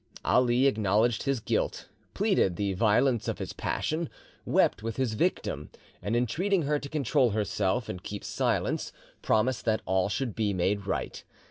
Ali acknowledged his guilt, pleaded the violence of his passion, wept with his victim, and entreating her to control herself and keep silence, promised that all should be made right.